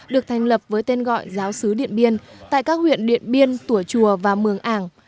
được thành lập với tên gọi giáo sứ điện biên tại các huyện điện biên tủa chùa và mường ảng